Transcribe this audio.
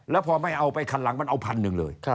แล้วพอไม่เอาไปคันหลังมันเอาพันหนึ่งเลย